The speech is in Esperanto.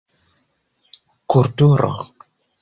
Kulturo: